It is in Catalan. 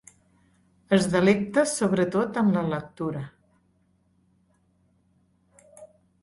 Es delecta sobretot en la lectura.